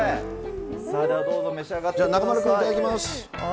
さあ、ではどうぞ、召し上がって中丸君、いただきます。